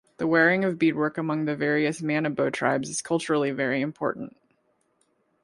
The wearing of beadwork among the various Manobo tribes is culturally very important.